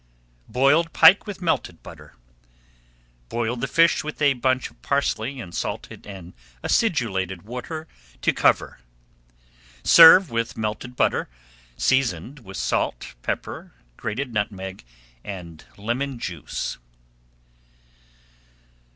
BOILED PIKE WITH MELTED BUTTER Boil the fish with a bunch of parsley in salted and acidulated water to cover. Serve with melted butter, seasoned with salt, pepper, grated nutmeg, and lemon juice.